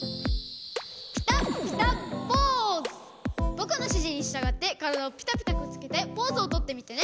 ぼくのしじにしたがってからだをピタピタくっつけてポーズをとってみてね！